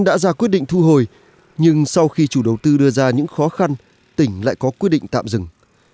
đã ra quyết định thu hồi nhưng sau khi chủ đầu tư đưa ra những khó khăn tỉnh lại có quyết định tạm dừng